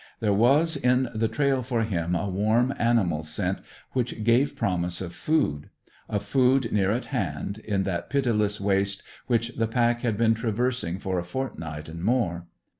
There was in the trail for him a warm animal scent which gave promise of food; of food near at hand, in that pitiless waste which the pack had been traversing for a fortnight and more.